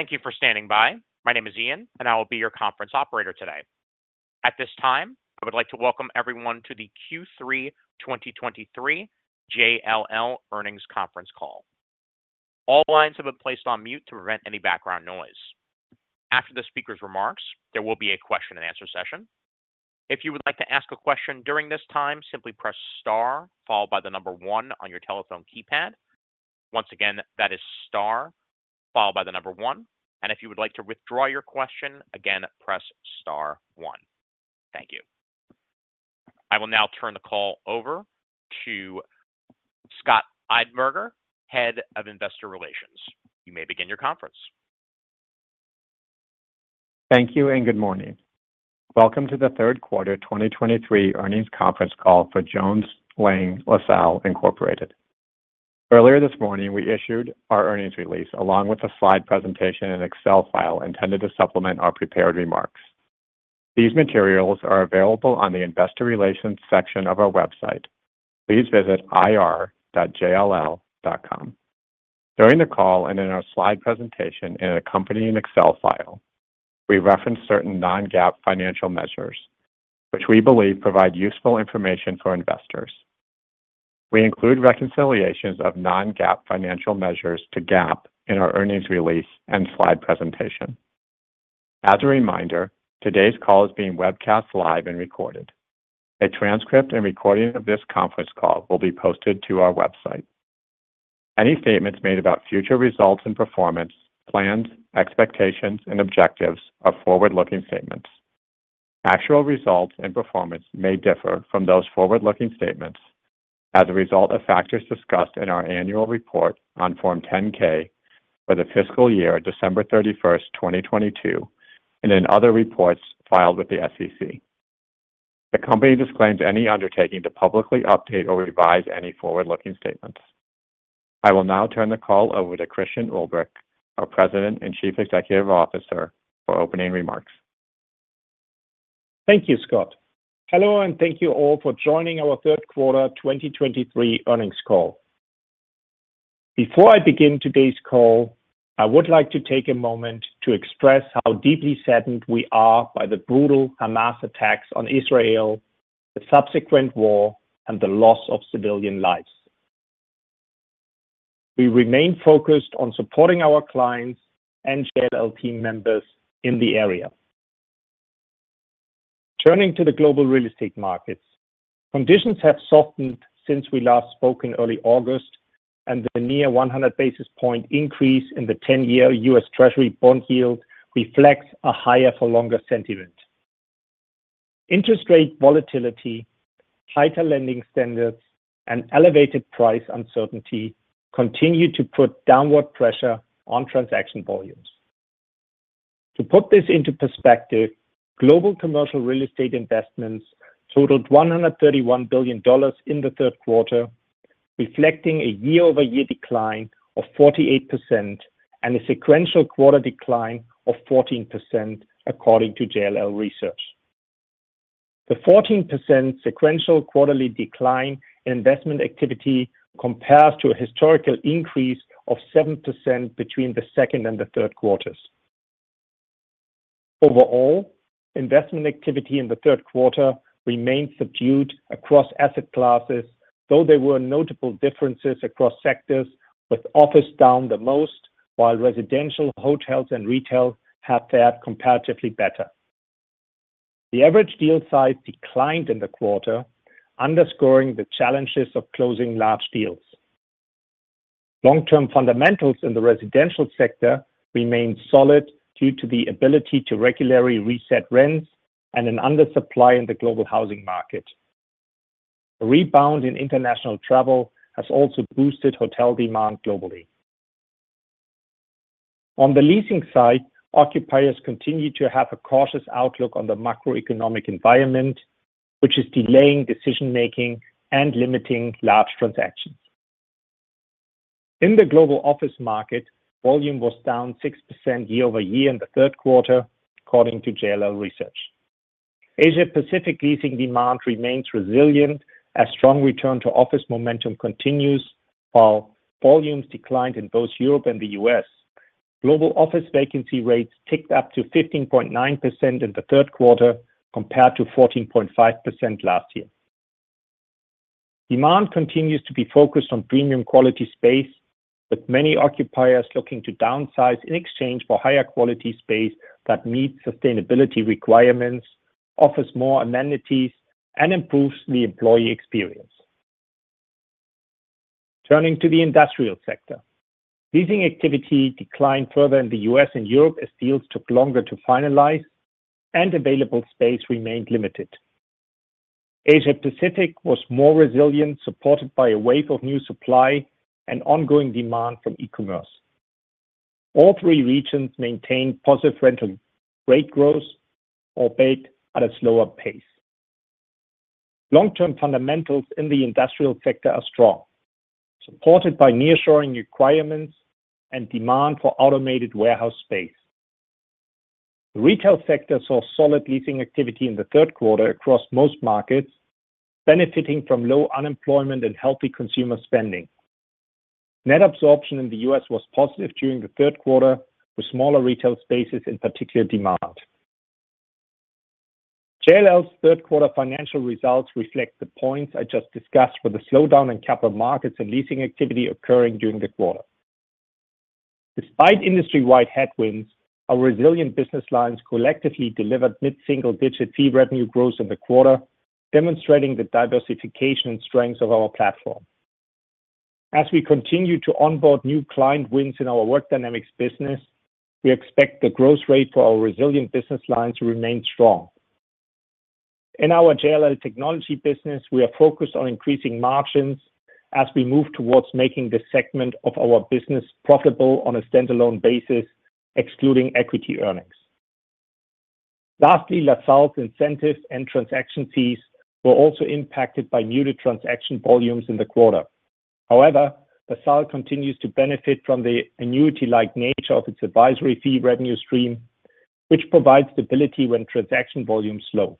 Thank you for standing by. My name is Ian, and I will be your conference operator today. At this time, I would like to welcome everyone to the Q3 2023 JLL earnings conference call. All lines have been placed on mute to prevent any background noise. After the speaker's remarks, there will be a question and answer session. If you would like to ask a question during this time, simply press star, followed by the number one on your telephone keypad. Once again, that is star, followed by the number one, and if you would like to withdraw your question, again, press star one. Thank you. I will now turn the call over to Scott Einberger, Head of Investor Relations. You may begin your conference. Thank you, and good morning. Welcome to the Q3 2023 earnings conference call for Jones Lang LaSalle Incorporated. Earlier this morning, we issued our earnings release, along with a slide presentation and Excel file intended to supplement our prepared remarks. These materials are available on the Investor Relations section of our website. Please visit ir.jll.com. During the call and in our slide presentation in accompanying Excel file, we reference certain non-GAAP financial measures, which we believe provide useful information for investors. We include reconciliations of non-GAAP financial measures to GAAP in our earnings release and slide presentation. As a reminder, today's call is being webcast live and recorded. A transcript and recording of this conference call will be posted to our website. Any statements made about future results and performance, plans, expectations, and objectives are forward-looking statements. Actual results and performance may differ from those forward-looking statements as a result of factors discussed in our annual report on Form 10-K for the fiscal year, December 31, 2022, and in other reports filed with the SEC. The company disclaims any undertaking to publicly update or revise any forward-looking statements. I will now turn the call over to Christian Ulbrich, our President and Chief Executive Officer, for opening remarks. Thank you, Scott. Hello, and thank you all for joining our third quarter 2023 earnings call. Before I begin today's call, I would like to take a moment to express how deeply saddened we are by the brutal Hamas attacks on Israel, the subsequent war, and the loss of civilian lives. We remain focused on supporting our clients and JLL team members in the area. Turning to the global real estate markets, conditions have softened since we last spoke in early August, and the near 100 basis point increase in the 10-year U.S. Treasury bond yield reflects a higher for longer sentiment. Interest rate volatility, tighter lending standards, and elevated price uncertainty continue to put downward pressure on transaction volumes. To put this into perspective, global commercial real estate investments totaled $131 billion in the third quarter, reflecting a year-over-year decline of 48% and a sequential quarter decline of 14%, according to JLL Research. The 14% sequential quarterly decline in investment activity compares to a historical increase of 7% between the second and the third quarters. Overall, investment activity in the third quarter remained subdued across asset classes, though there were notable differences across sectors, with office down the most, while residential, hotels, and retail have fared comparatively better. The average deal size declined in the quarter, underscoring the challenges of closing large deals. Long-term fundamentals in the residential sector remained solid due to the ability to regularly reset rents and an undersupply in the global housing market. A rebound in international travel has also boosted hotel demand globally. On the leasing side, occupiers continue to have a cautious outlook on the macroeconomic environment, which is delaying decision-making and limiting large transactions. In the global office market, volume was down 6% year over year in the third quarter, according to JLL Research. Asia Pacific leasing demand remains resilient as strong return to office momentum continues, while volumes declined in both Europe and the U.S. Global office vacancy rates ticked up to 15.9% in the third quarter, compared to 14.5% last year. Demand continues to be focused on premium quality space, with many occupiers looking to downsize in exchange for higher quality space that meets sustainability requirements, offers more amenities, and improves the employee experience. Turning to the industrial sector, leasing activity declined further in the U.S. and Europe as deals took longer to finalize and available space remained limited. Asia Pacific was more resilient, supported by a wave of new supply and ongoing demand from e-commerce. All three regions maintained positive rental rate growth, albeit at a slower pace. Long-term fundamentals in the industrial sector are strong, supported by nearshoring requirements and demand for automated warehouse space.... The retail sector saw solid leasing activity in the third quarter across most markets, benefiting from low unemployment and healthy consumer spending. Net Absorption in the U.S. was positive during the third quarter, with smaller retail spaces in particular demand. JLL's third quarter financial results reflect the points I just discussed, with a slowdown in Capital Markets and leasing activity occurring during the quarter. Despite industry-wide headwinds, our resilient business lines collectively delivered mid-single-digit fee revenue growth in the quarter, demonstrating the diversification and strength of our platform. As we continue to onboard new client wins in our Work Dynamics business, we expect the growth rate for our resilient business lines to remain strong. In our JLL Technology business, we are focused on increasing margins as we move towards making this segment of our business profitable on a standalone basis, excluding equity earnings. Lastly, LaSalle's incentives and transaction fees were also impacted by muted transaction volumes in the quarter. However, LaSalle continues to benefit from the annuity-like nature of its advisory fee revenue stream, which provides stability when transaction volumes slow.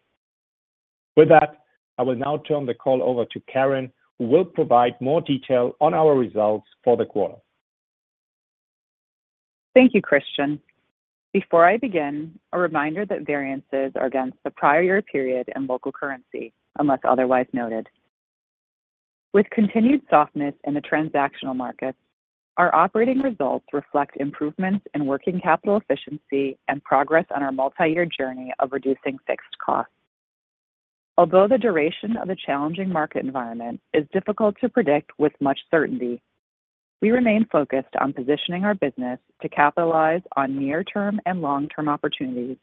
With that, I will now turn the call over to Karen, who will provide more detail on our results for the quarter. Thank you, Christian. Before I begin, a reminder that variances are against the prior year period in local currency, unless otherwise noted. With continued softness in the transactional markets, our operating results reflect improvements in working capital efficiency and progress on our multi-year journey of reducing fixed costs. Although the duration of the challenging market environment is difficult to predict with much certainty, we remain focused on positioning our business to capitalize on near-term and long-term opportunities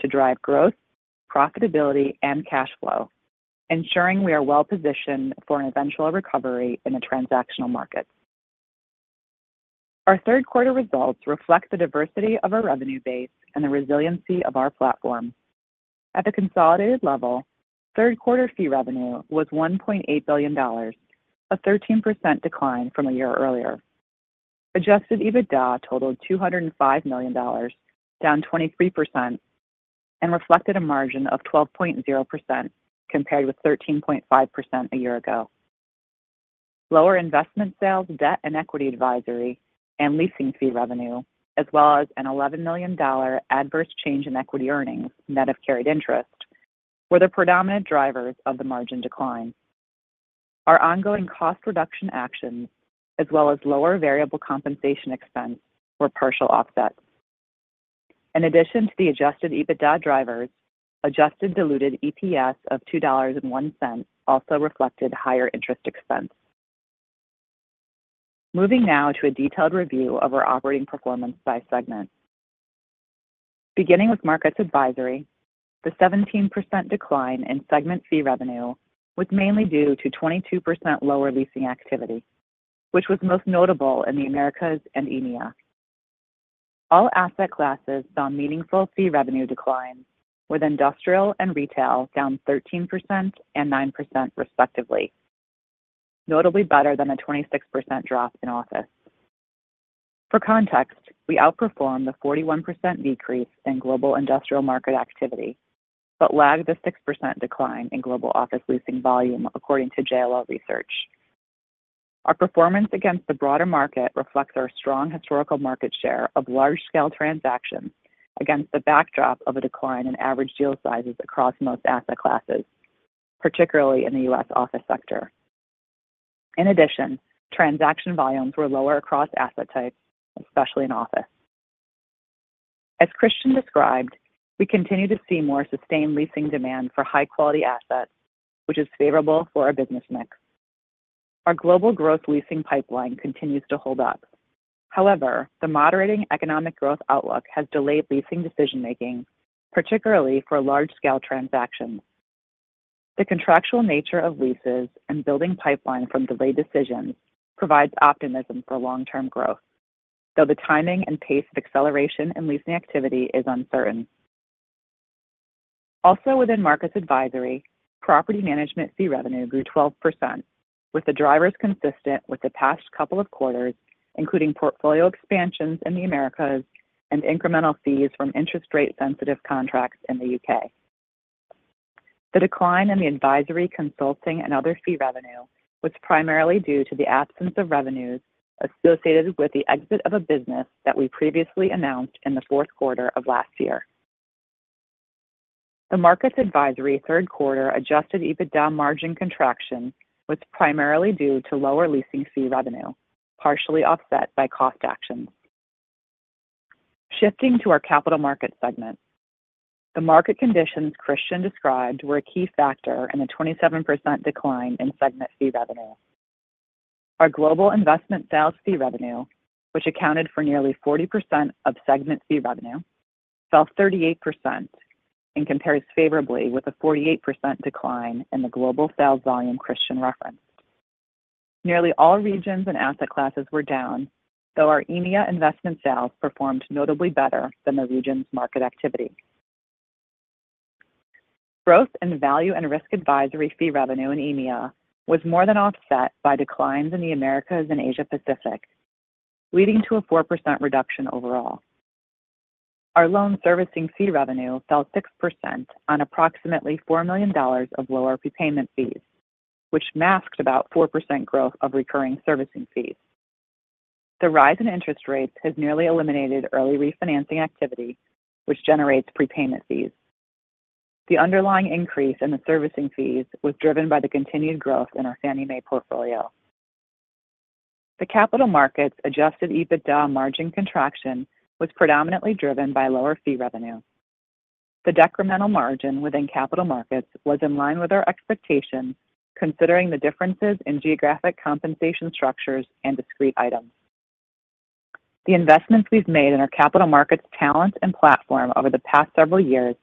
to drive growth, profitability, and cash flow, ensuring we are well-positioned for an eventual recovery in the transactional markets. Our third quarter results reflect the diversity of our revenue base and the resiliency of our platform. At the consolidated level, third quarter fee revenue was $1.8 billion, a 13% decline from a year earlier. Adjusted EBITDA totaled $205 million, down 23%, and reflected a margin of 12.0%, compared with 13.5% a year ago. Lower investment sales, debt and equity advisory, and leasing fee revenue, as well as an $11 million adverse change in equity earnings, net of carried interest, were the predominant drivers of the margin decline. Our ongoing cost reduction actions, as well as lower variable compensation expense, were partial offsets. In addition to the adjusted EBITDA drivers, adjusted diluted EPS of $2.01 also reflected higher interest expense. Moving now to a detailed review of our operating performance by segment. Beginning with Markets Advisory, the 17% decline in segment fee revenue was mainly due to 22% lower leasing activity, which was most notable in the Americas and EMEA. All asset classes saw meaningful fee revenue declines, with industrial and retail down 13% and 9%, respectively, notably better than a 26% drop in office. For context, we outperformed the 41% decrease in global industrial market activity, but lagged the 6% decline in global office leasing volume, according to JLL research. Our performance against the broader market reflects our strong historical market share of large-scale transactions against the backdrop of a decline in average deal sizes across most asset classes, particularly in the U.S. office sector. In addition, transaction volumes were lower across asset types, especially in office. As Christian described, we continue to see more sustained leasing demand for high-quality assets, which is favorable for our business mix. Our global growth leasing pipeline continues to hold up. However, the moderating economic growth outlook has delayed leasing decision-making, particularly for large-scale transactions. The contractual nature of leases and building pipeline from delayed decisions provides optimism for long-term growth, though the timing and pace of acceleration in leasing activity is uncertain. Also within Markets Advisory, property management fee revenue grew 12%, with the drivers consistent with the past couple of quarters, including portfolio expansions in the Americas and incremental fees from interest rate-sensitive contracts in the UK. The decline in the advisory, consulting, and other fee revenue was primarily due to the absence of revenues associated with the exit of a business that we previously announced in the fourth quarter of last year. The Markets Advisory third quarter Adjusted EBITDA margin contraction was primarily due to lower leasing fee revenue, partially offset by cost actions. Shifting to our Capital Markets segment, the market conditions Christian described were a key factor in the 27% decline in segment fee revenue. Our global investment sales fee revenue, which accounted for nearly 40% of segment fee revenue, fell 38% and compares favorably with a 48% decline in the global sales volume Christian referenced. Nearly all regions and asset classes were down, though our EMEA investment sales performed notably better than the region's market activity.... Growth in value and risk advisory fee revenue in EMEA was more than offset by declines in the Americas and Asia Pacific, leading to a 4% reduction overall. Our loan servicing fee revenue fell 6% on approximately $4 million of lower prepayment fees, which masked about 4% growth of recurring servicing fees. The rise in interest rates has nearly eliminated early refinancing activity, which generates prepayment fees. The underlying increase in the servicing fees was driven by the continued growth in our Fannie Mae portfolio. The Capital Markets Adjusted EBITDA margin contraction was predominantly driven by lower Fee Revenue. The decremental margin within Capital Markets was in line with our expectations, considering the differences in geographic compensation structures and discrete items. The investments we've made in our Capital Markets talent and platform over the past several years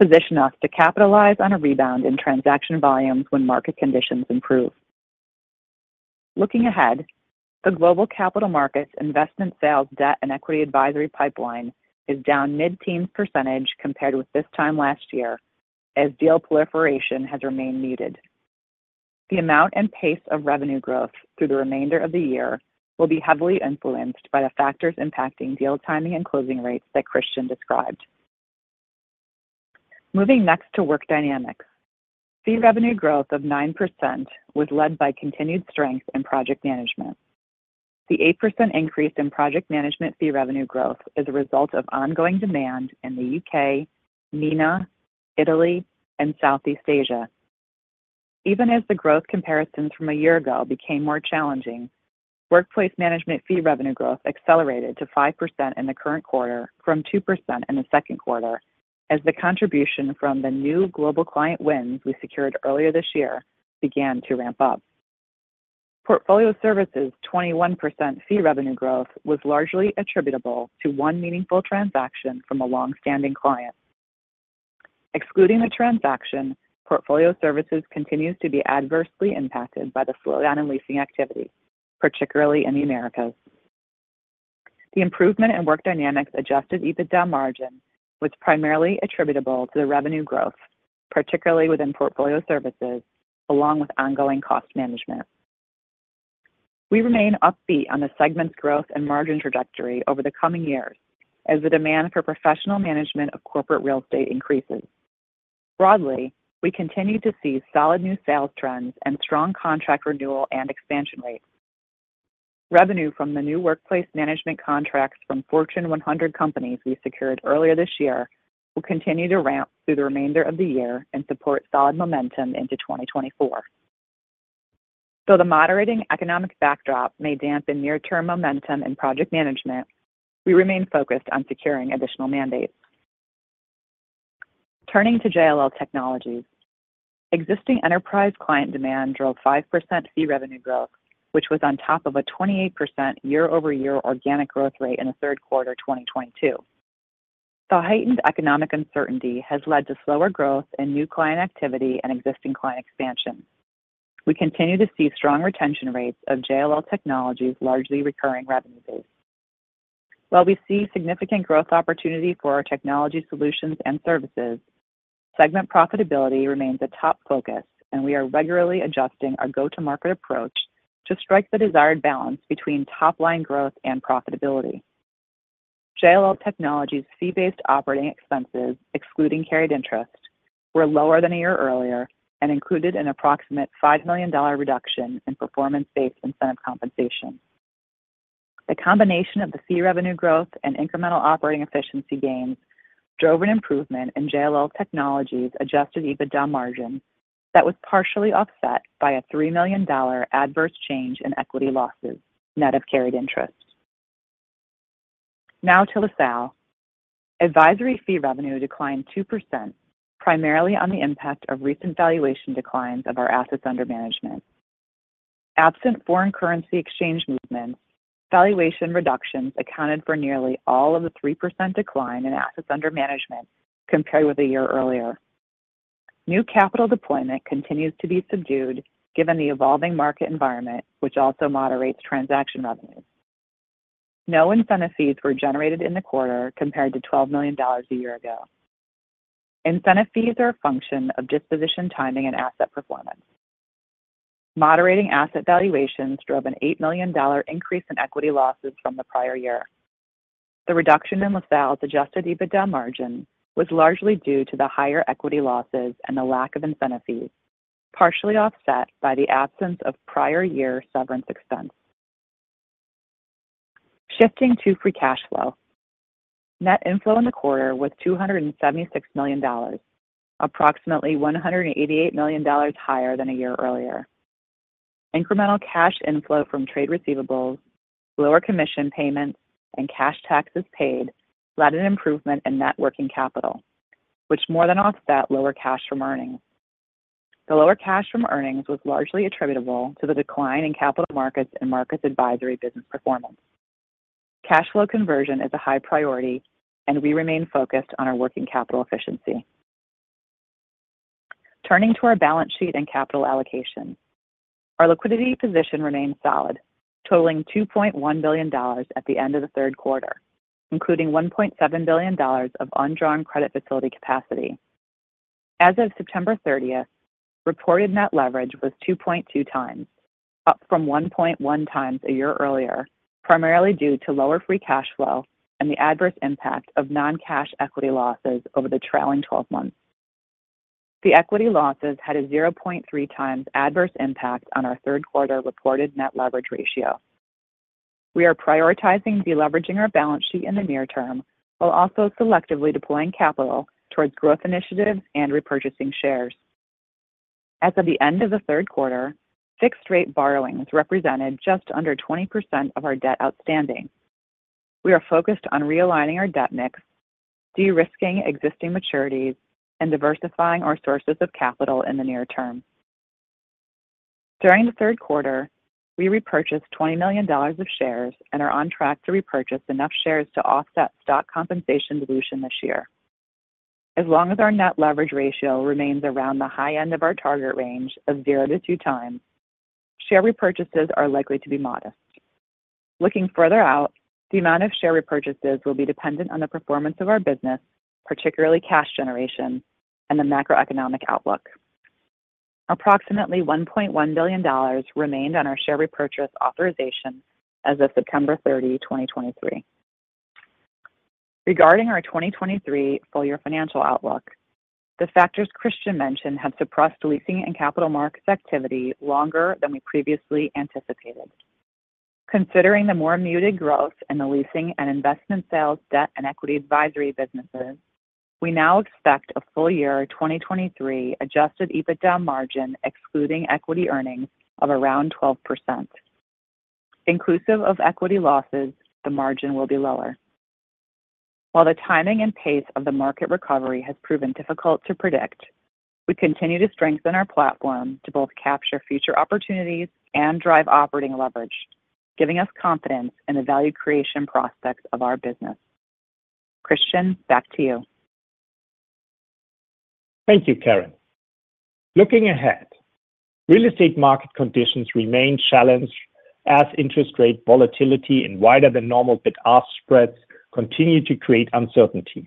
position us to capitalize on a rebound in transaction volumes when market conditions improve. Looking ahead, the global Capital Markets investment sales, debt, and equity advisory pipeline is down mid-teens% compared with this time last year, as deal proliferation has remained muted. The amount and pace of revenue growth through the remainder of the year will be heavily influenced by the factors impacting deal timing and closing rates that Christian described. Moving next to Work Dynamics. Fee Revenue growth of 9% was led by continued strength in project management. The 8% increase in project management fee revenue growth is a result of ongoing demand in the UK, MENA, Italy, and Southeast Asia. Even as the growth comparisons from a year ago became more challenging, workplace management fee revenue growth accelerated to 5% in the current quarter from 2% in the second quarter, as the contribution from the new global client wins we secured earlier this year began to ramp up. Portfolio services' 21% fee revenue growth was largely attributable to one meaningful transaction from a long-standing client. Excluding the transaction, portfolio services continues to be adversely impacted by the slowdown in leasing activity, particularly in the Americas. The improvement in Work Dynamics' Adjusted EBITDA margin was primarily attributable to the revenue growth, particularly within portfolio services, along with ongoing cost management. We remain upbeat on the segment's growth and margin trajectory over the coming years as the demand for professional management of corporate real estate increases. Broadly, we continue to see solid new sales trends and strong contract renewal and expansion rates. Revenue from the new workplace management contracts from Fortune 100 companies we secured earlier this year will continue to ramp through the remainder of the year and support solid momentum into 2024. Though the moderating economic backdrop may dampen near-term momentum in project management, we remain focused on securing additional mandates. Turning to JLL Technologies. Existing enterprise client demand drove 5% fee revenue growth, which was on top of a 28% year-over-year organic growth rate in the third quarter of 2022. The heightened economic uncertainty has led to slower growth in new client activity and existing client expansion. We continue to see strong retention rates of JLL Technologies' largely recurring revenue base. While we see significant growth opportunity for our technology solutions and services, segment profitability remains a top focus, and we are regularly adjusting our go-to-market approach to strike the desired balance between top-line growth and profitability. JLL Technologies' fee-based operating expenses, excluding carried interest, were lower than a year earlier and included an approximate $5 million reduction in performance-based incentive compensation. The combination of the fee revenue growth and incremental operating efficiency gains drove an improvement in JLL Technologies' adjusted EBITDA margin that was partially offset by a $3 million adverse change in equity losses, net of carried interest. Now to LaSalle. Advisory fee revenue declined 2%, primarily on the impact of recent valuation declines of our assets under management. Absent foreign currency exchange movements, valuation reductions accounted for nearly all of the 3% decline in assets under management compared with a year earlier. New capital deployment continues to be subdued, given the evolving market environment, which also moderates transaction revenues. No incentive fees were generated in the quarter, compared to $12 million a year ago. Incentive fees are a function of disposition, timing, and asset performance. Moderating asset valuations drove an $8 million increase in equity losses from the prior year. The reduction in LaSalle's Adjusted EBITDA margin was largely due to the higher equity losses and the lack of incentive fees, partially offset by the absence of prior year severance expense. Shifting to free cash flow. Net inflow in the quarter was $276 million, approximately $188 million higher than a year earlier. Incremental cash inflow from trade receivables, lower commission payments, and cash taxes paid led an improvement in net working capital, which more than offset lower cash from earnings. The lower cash from earnings was largely attributable to the decline in Capital Markets and Markets Advisory business performance. Cash flow conversion is a high priority, and we remain focused on our working capital efficiency. Turning to our balance sheet and capital allocation. Our liquidity position remains solid, totaling $2.1 billion at the end of the third quarter, including $1.7 billion of undrawn credit facility capacity. As of September 30th, reported net leverage was 2.2 times, up from 1.1 times a year earlier, primarily due to lower free cash flow and the adverse impact of non-cash equity losses over the trailing 12 months. The equity losses had a 0.3 times adverse impact on our third quarter reported net leverage ratio. We are prioritizing de-leveraging our balance sheet in the near term, while also selectively deploying capital towards growth initiatives and repurchasing shares. As of the end of the third quarter, fixed rate borrowings represented just under 20% of our debt outstanding. We are focused on realigning our debt mix, de-risking existing maturities, and diversifying our sources of capital in the near term. During the third quarter, we repurchased $20 million of shares and are on track to repurchase enough shares to offset stock compensation dilution this year. As long as our net leverage ratio remains around the high end of our target range of 0-2 times, share repurchases are likely to be modest. Looking further out, the amount of share repurchases will be dependent on the performance of our business, particularly cash generation and the macroeconomic outlook. Approximately $1.1 billion remained on our share repurchase authorization as of September 30, 2023. Regarding our 2023 full-year financial outlook, the factors Christian mentioned have suppressed leasing and capital markets activity longer than we previously anticipated. Considering the more muted growth in the leasing and investment sales, debt, and equity advisory businesses, we now expect a full-year 2023 Adjusted EBITDA margin, excluding equity earnings, of around 12%. Inclusive of equity losses, the margin will be lower. While the timing and pace of the market recovery has proven difficult to predict, we continue to strengthen our platform to both capture future opportunities and drive operating leverage, giving us confidence in the value creation prospects of our business. Christian, back to you. Thank you, Karen. Looking ahead, real estate market conditions remain challenged as interest rate volatility and wider than normal bid-ask spreads continue to create uncertainty.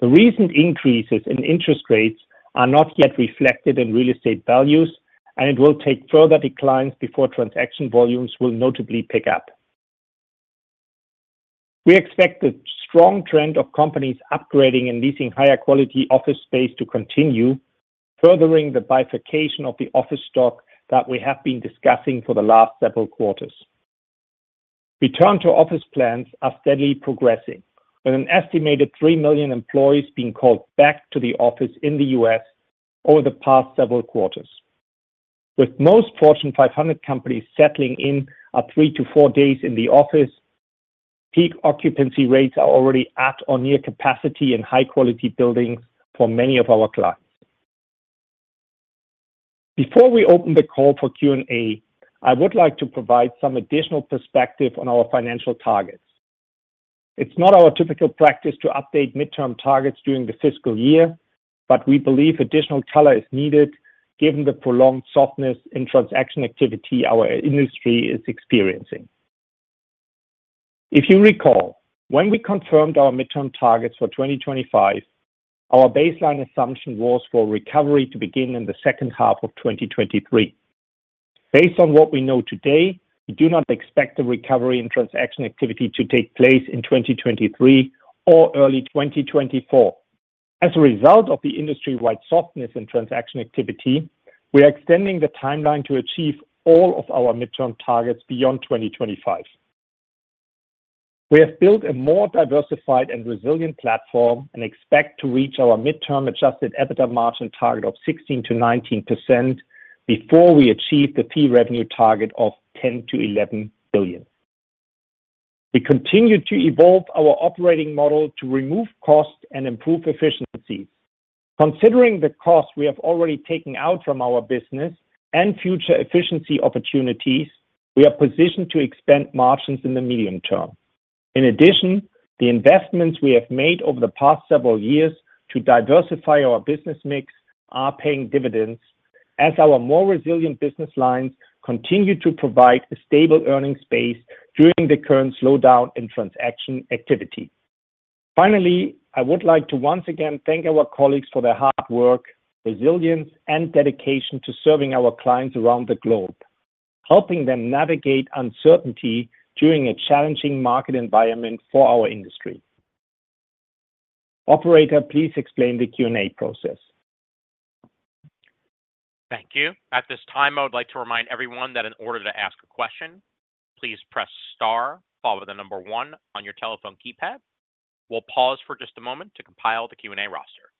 The recent increases in interest rates are not yet reflected in real estate values, and it will take further declines before transaction volumes will notably pick up. We expect the strong trend of companies upgrading and leasing higher quality office space to continue, furthering the bifurcation of the office stock that we have been discussing for the last several quarters. Return to office plans are steadily progressing, with an estimated 3 million employees being called back to the office in the U.S. over the past several quarters. With most Fortune 500 companies settling in at 3-4 days in the office, peak occupancy rates are already at or near capacity in high-quality buildings for many of our clients. Before we open the call for Q&A, I would like to provide some additional perspective on our financial targets. It's not our typical practice to update midterm targets during the fiscal year, but we believe additional color is needed given the prolonged softness in transaction activity our industry is experiencing. If you recall, when we confirmed our midterm targets for 2025, our baseline assumption was for recovery to begin in the second half of 2023. Based on what we know today, we do not expect the recovery and transaction activity to take place in 2023 or early 2024. As a result of the industry-wide softness and transaction activity, we are extending the timeline to achieve all of our midterm targets beyond 2025. We have built a more diversified and resilient platform and expect to reach our midterm Adjusted EBITDA margin target of 16%-19% before we achieve the fee revenue target of $10 billion-$11 billion. We continue to evolve our operating model to remove costs and improve efficiency. Considering the costs we have already taken out from our business and future efficiency opportunities, we are positioned to expand margins in the medium term. In addition, the investments we have made over the past several years to diversify our business mix are paying dividends as our more resilient business lines continue to provide a stable earnings base during the current slowdown in transaction activity. Finally, I would like to once again thank our colleagues for their hard work, resilience, and dedication to serving our clients around the globe, helping them navigate uncertainty during a challenging market environment for our industry. Operator, please explain the Q&A process. Thank you. At this time, I would like to remind everyone that in order to ask a question, please press star, follow the number one on your telephone keypad. We'll pause for just a moment to compile the Q&A roster.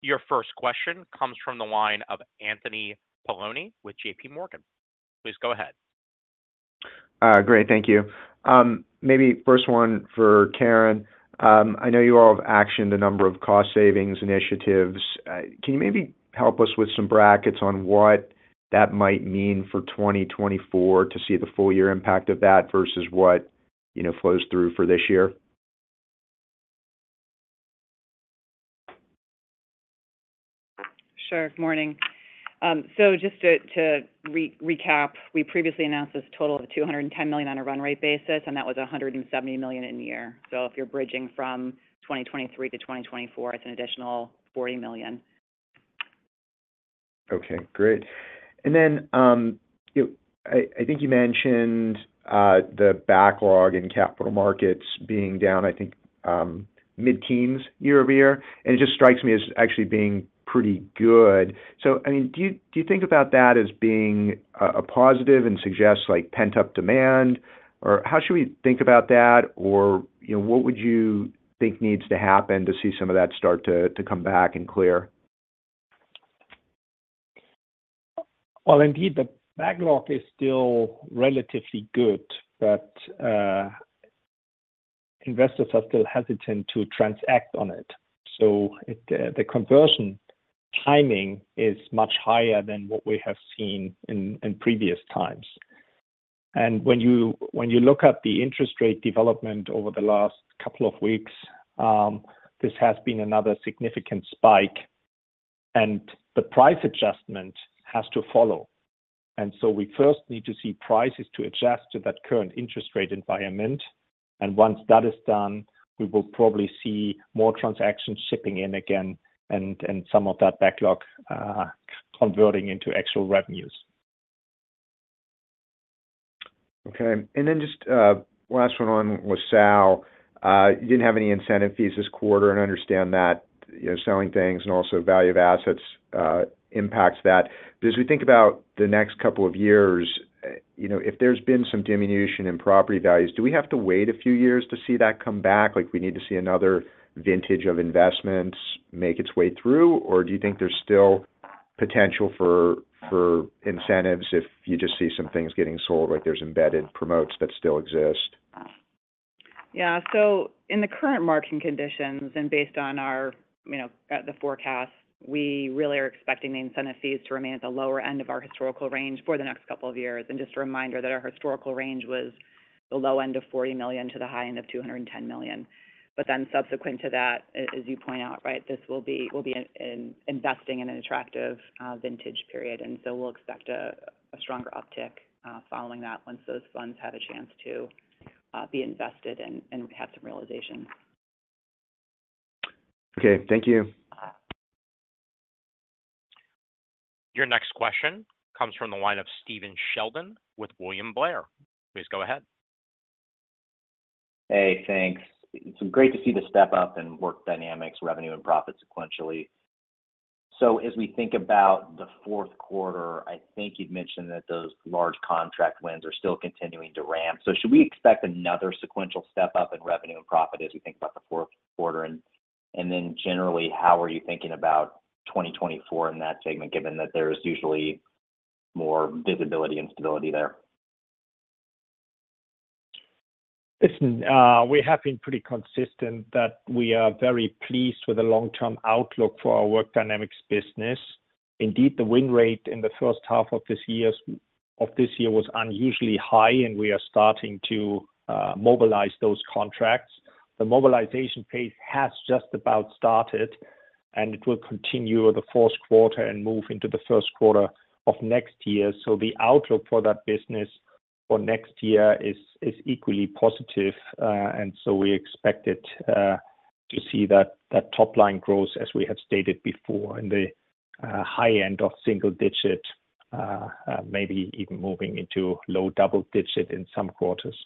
Your first question comes from the line of Anthony Paolone with JPMorgan. Please go ahead. Great. Thank you. Maybe first one for Karen. I know you all have actioned a number of cost savings initiatives. Can you maybe help us with some brackets on what that might mean for 2024 to see the full year impact of that versus what, you know, flows through for this year?... Sure. Morning. So just to recap, we previously announced this total of $210 million on a run rate basis, and that was $170 million in a year. So if you're bridging from 2023 to 2024, it's an additional $40 million. Okay, great. And then, I think you mentioned the backlog in Capital Markets being down, I think, mid-teens year-over-year, and it just strikes me as actually being pretty good. So, I mean, do you think about that as being a positive and suggests like pent-up demand? Or how should we think about that? Or, you know, what would you think needs to happen to see some of that start to come back and clear? Well, indeed, the backlog is still relatively good, but investors are still hesitant to transact on it. So it, the conversion timing is much higher than what we have seen in previous times. And when you look at the interest rate development over the last couple of weeks, this has been another significant spike, and the price adjustment has to follow. And so we first need to see prices to adjust to that current interest rate environment, and once that is done, we will probably see more transactions shipping in again and some of that backlog converting into actual revenues. Okay. And then just, last one on with LaSalle. You didn't have any incentive fees this quarter, and I understand that, you know, selling things and also value of assets impacts that. But as we think about the next couple of years, you know, if there's been some diminution in property values, do we have to wait a few years to see that come back? Like, we need to see another vintage of investments make its way through, or do you think there's still potential for incentives if you just see some things getting sold, like there's embedded promotes that still exist? Yeah. So in the current market conditions, and based on our, you know, the forecast, we really are expecting the incentive fees to remain at the lower end of our historical range for the next couple of years. And just a reminder that our historical range was the low end of $40 million to the high end of $210 million. But then subsequent to that, a- as you point out, right, this will be- we'll be in- in investing in an attractive, vintage period, and so we'll expect a, a stronger uptick, following that once those funds have a chance to, be invested and, and have some realization. Okay, thank you. Your next question comes from the line of Stephen Sheldon with William Blair. Please go ahead. Hey, thanks. It's great to see the step up in Work Dynamics revenue and profit sequentially. So as we think about the fourth quarter, I think you'd mentioned that those large contract wins are still continuing to ramp. So should we expect another sequential step up in revenue and profit as we think about the fourth quarter? And, and then generally, how are you thinking about 2024 in that segment, given that there is usually more visibility and stability there? Listen, we have been pretty consistent that we are very pleased with the long-term outlook for our Work Dynamics business. Indeed, the win rate in the first half of this year, of this year was unusually high, and we are starting to mobilize those contracts. The mobilization pace has just about started, and it will continue the fourth quarter and move into the first quarter of next year. So the outlook for that business for next year is, is equally positive. And so we expect it to see that, that top line growth, as we have stated before, in the high end of single digit, maybe even moving into low double digit in some quarters.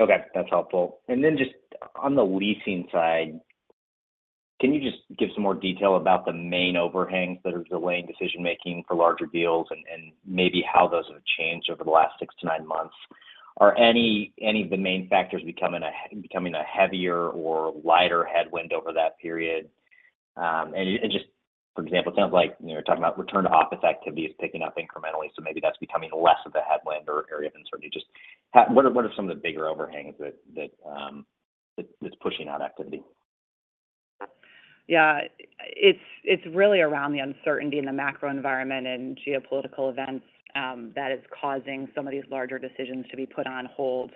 Okay, that's helpful. Then just on the leasing side, can you just give some more detail about the main overhangs that are delaying decision making for larger deals and maybe how those have changed over the last 6-9 months? Are any of the main factors becoming a heavier or lighter headwind over that period? And just for example, it sounds like, you know, talking about return to office activity is picking up incrementally, so maybe that's becoming less of a headwind or area of uncertainty. Just what are some of the bigger overhangs that's pushing out activity? Yeah. It's really around the uncertainty in the macro environment and geopolitical events that is causing some of these larger decisions to be put on hold.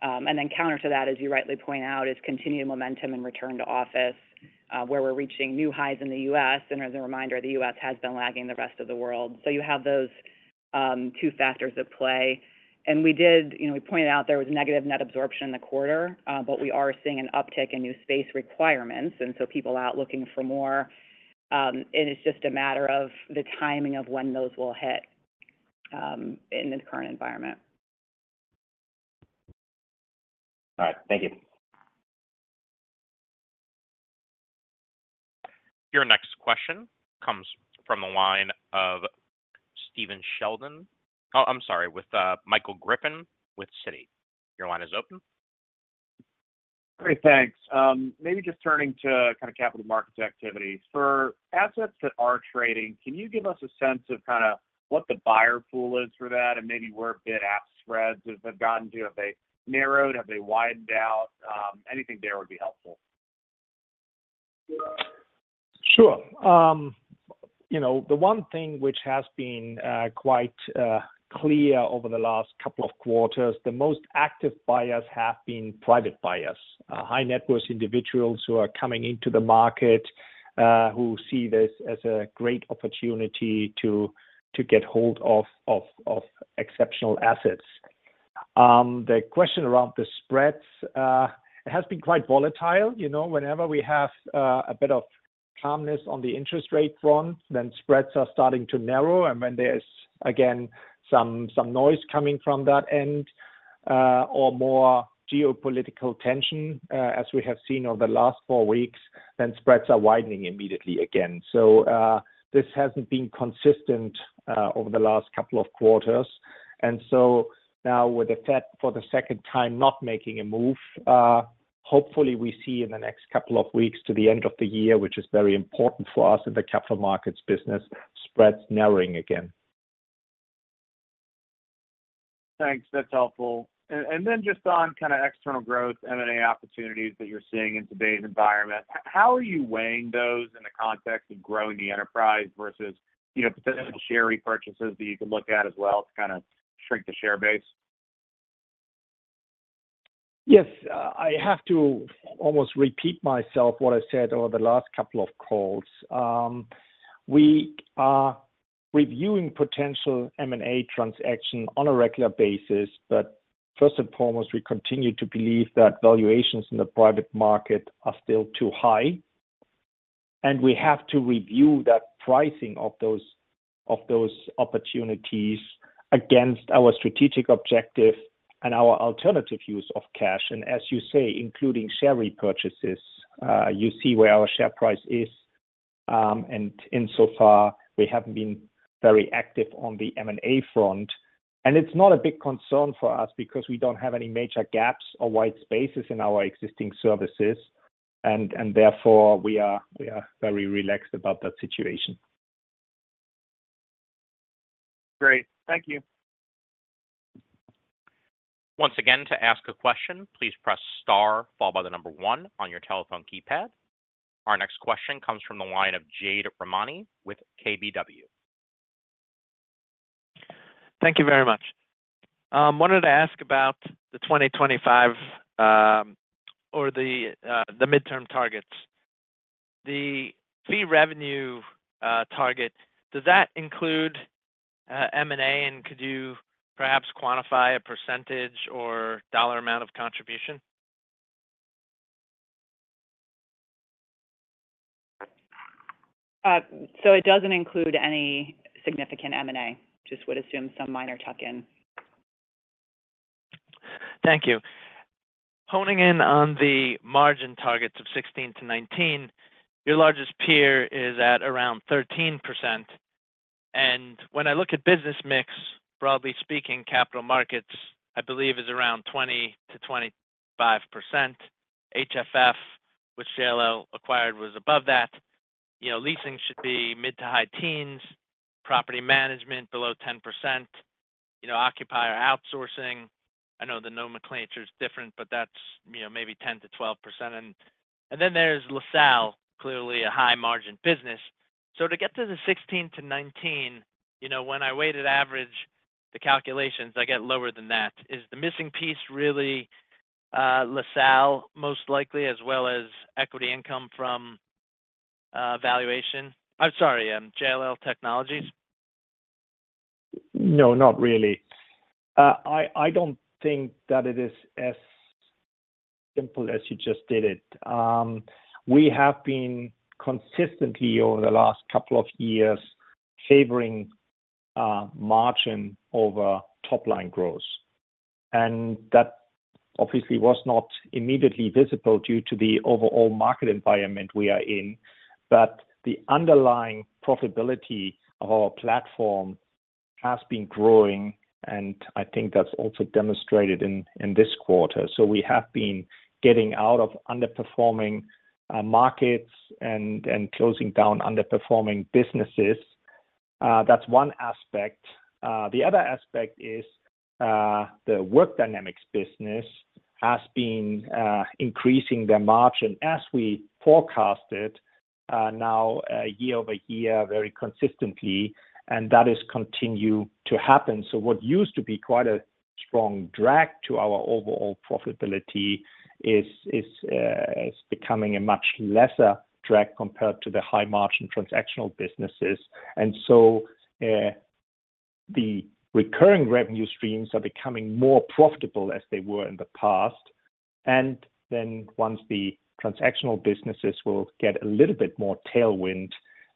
And then counter to that, as you rightly point out, is continued momentum and return to office, where we're reaching new highs in the U.S. And as a reminder, the U.S. has been lagging the rest of the world. So you have those two factors at play. And we did you know, we pointed out there was negative net absorption in the quarter, but we are seeing an uptick in new space requirements, and so people are out looking for more. And it's just a matter of the timing of when those will hit in the current environment. All right. Thank you. Your next question comes from the line of Stephen Sheldon... Oh, I'm sorry, with, Michael Griffin, with Citi. Your line is open. Great, thanks. Maybe just turning to kind of Capital Markets activity. For assets that are trading, can you give us a sense of kind of what the buyer pool is for that and maybe where bid-ask spreads have gotten to? Have they narrowed, have they widened out? Anything there would be helpful. Sure. You know, the one thing which has been quite clear over the last couple of quarters, the most active buyers have been private buyers. High net worth individuals who are coming into the market, who see this as a great opportunity to get hold of exceptional assets. The question around the spreads, it has been quite volatile. You know, whenever we have a bit of calmness on the interest rate front, then spreads are starting to narrow, and when there's, again, some noise coming from that end, or more geopolitical tension, as we have seen over the last four weeks, then spreads are widening immediately again. So, this hasn't been consistent over the last couple of quarters. And so now with the Fed for the second time, not making a move, hopefully, we see in the next couple of weeks to the end of the year, which is very important for us in the Capital Markets business, spreads narrowing again. Thanks. That's helpful. And then just on kinda external growth, M&A opportunities that you're seeing in today's environment, how are you weighing those in the context of growing the enterprise versus, you know, potential share repurchases that you can look at as well to kinda shrink the share base? Yes. I have to almost repeat myself what I said over the last couple of calls. We are reviewing potential M&A transaction on a regular basis, but first and foremost, we continue to believe that valuations in the private market are still too high, and we have to review that pricing of those opportunities against our strategic objective and our alternative use of cash, and as you say, including share repurchases. You see where our share price is, and insofar, we haven't been very active on the M&A front. It's not a big concern for us because we don't have any major gaps or wide spaces in our existing services, and therefore, we are very relaxed about that situation. Great. Thank you. Once again, to ask a question, please press star followed by the number one on your telephone keypad. Our next question comes from the line of Jade Rahmani with KBW. Thank you very much. Wanted to ask about the 2025, or the midterm targets. The fee revenue target, does that include M&A, and could you perhaps quantify a percentage or dollar amount of contribution? So it doesn't include any significant M&A, just would assume some minor tuck in. Thank you. Honing in on the margin targets of 16%-19%, your largest peer is at around 13%, and when I look at business mix, broadly speaking, Capital Markets, I believe, is around 20%-25%. HFF, which JLL acquired, was above that. You know, leasing should be mid- to high-teens %, property management below 10%, you know, occupier outsourcing. I know the nomenclature is different, but that's, you know, maybe 10%-12%. And then there's LaSalle, clearly a high margin business. So to get to the 16%-19%, you know, when I weighted average the calculations, I get lower than that. Is the missing piece really, LaSalle, most likely, as well as equity income from, valuation... I'm sorry, JLL Technologies? No, not really. I don't think that it is as simple as you just did it. We have been consistently over the last couple of years, favoring margin over top line growth, and that obviously was not immediately visible due to the overall market environment we are in. But the underlying profitability of our platform has been growing, and I think that's also demonstrated in this quarter. So we have been getting out of underperforming markets and closing down underperforming businesses. That's one aspect. The other aspect is, the Work Dynamics business has been increasing their margin as we forecast it, now, year-over-year, very consistently, and that is continue to happen. So what used to be quite a strong drag to our overall profitability is becoming a much lesser drag compared to the high margin transactional businesses. And so, the recurring revenue streams are becoming more profitable as they were in the past. And then once the transactional businesses will get a little bit more tailwind,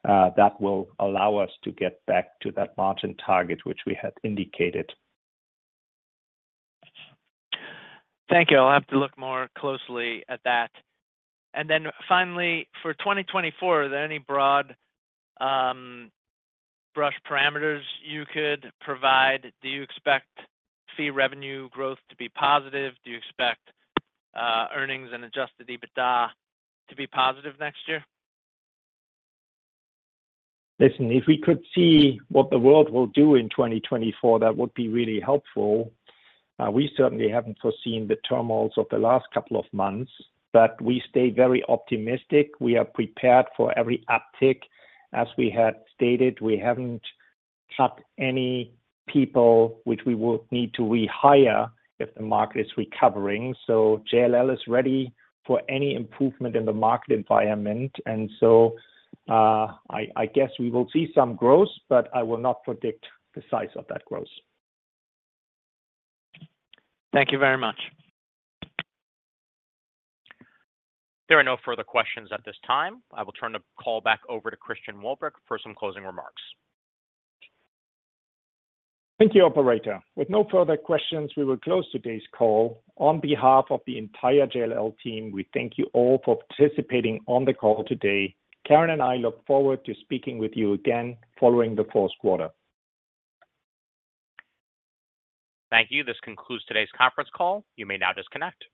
that will allow us to get back to that margin target, which we had indicated. Thank you. I'll have to look more closely at that. And then finally, for 2024, are there any broad brush parameters you could provide? Do you expect fee revenue growth to be positive? Do you expect earnings and Adjusted EBITDA to be positive next year? Listen, if we could see what the world will do in 2024, that would be really helpful. We certainly haven't foreseen the turmoil of the last couple of months, but we stay very optimistic. We are prepared for every uptick. As we had stated, we haven't cut any people, which we will need to rehire if the market is recovering. So JLL is ready for any improvement in the market environment, and so, I, I guess we will see some growth, but I will not predict the size of that growth. Thank you very much. There are no further questions at this time. I will turn the call back over to Christian Ulbrich for some closing remarks. Thank you, operator. With no further questions, we will close today's call. On behalf of the entire JLL team, we thank you all for participating on the call today. Karen and I look forward to speaking with you again following the fourth quarter. Thank you. This concludes today's conference call. You may now disconnect.